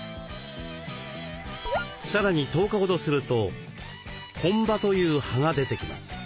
さらに１０日ほどすると本葉という葉が出てきます。